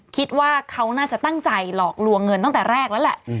คิดว่าเขาน่าจะตั้งใจหลอกลวงเงินตั้งแต่แรกแล้วแหละ